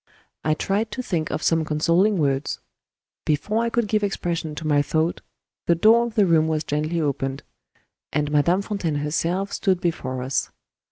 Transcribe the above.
I tried to think of some consoling words. Before I could give expression to my thought, the door of the room was gently opened; and Madame Fontaine herself stood before us.